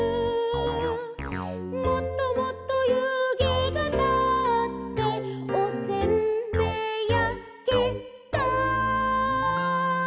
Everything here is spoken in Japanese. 「もっともっと湯気がたっておせんべいやけた」